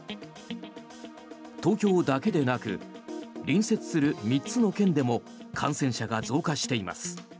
東京だけでなく隣接する３つの県でも感染者が増加しています。